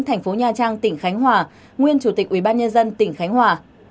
thành phố nha trang tỉnh khánh hòa nguyên chủ tịch ubnd tỉnh khánh hòa